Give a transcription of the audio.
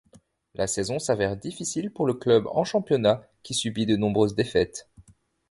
La saison s'avère difficile pour le club en championnat qui subit de nombreuses défaites.